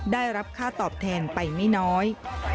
ได้รับค่าตอบแทนไปไม่น้อย